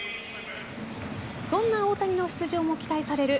そんな大谷の出場も期待される